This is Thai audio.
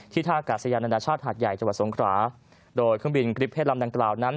ที่ท่ากาศยานดชาติหาดใหญ่จสงคราโดยเครื่องบินกริปเพ่นลำดังกล่าวนั้น